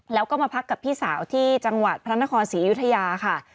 แล้วก็มาพักกับพี่สาวที่จังหวัดพระนครศรีอยุธยาค่ะ